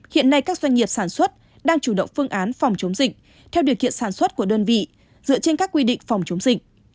hiện nay các doanh nghiệp sản xuất đang chủ động phương án phòng chống dịch theo điều kiện sản xuất của đơn vị dựa trên các quy định phòng chống dịch